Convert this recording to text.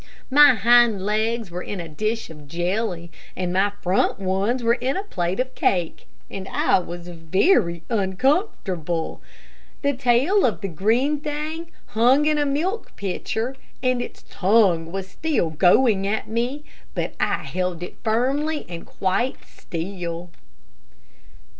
My hind legs were in a dish of jelly, and my front ones were in a plate of cake, and I was very uncomfortable. The tail of the green thing hung in a milk pitcher, and its tongue was still going at me, but I held it firmly and stood quite still.